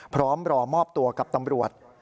พร้อมรอมอบตัวกับตำรวจ